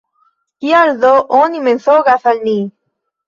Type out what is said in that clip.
Kial do oni mensogas al ni?